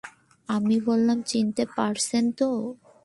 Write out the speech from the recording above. আমি বললাম, চিনতে পারছেন তো?